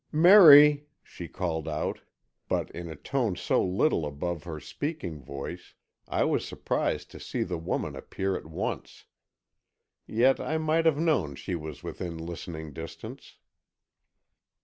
"Merry," she called out, but in a tone so little above her speaking voice I was surprised to see the woman appear at once. Yet I might have known she was within listening distance.